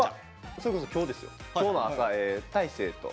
それこそ今日ですよ。